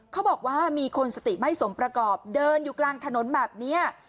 เขาบอกว่ามีคนสติไม่สมประกอบเดินอยู่กลางถนนแบบนี้